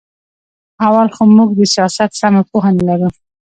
اول خو موږ د سیاست سمه پوهه نه لرو.